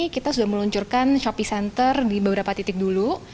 kita sudah meluncurkan shopee center di beberapa titik dulu